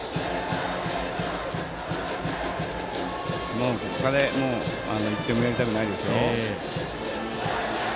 もう北海は１点もやりたくないですよ。